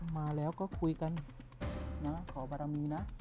มาแล้วก็คุยกันนะขอบารมีนะ